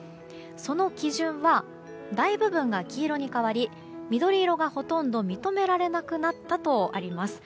その基準は大部分が黄色に変わり緑色がほとんど認められなくなったとあります。